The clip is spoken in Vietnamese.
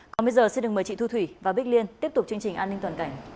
còn bây giờ xin được mời chị thu thủy và bích liên tiếp tục chương trình an ninh toàn cảnh